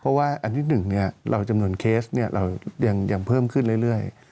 เพราะว่าเราจำนวนเคสยังเพิ่มขึ้นเรื่อย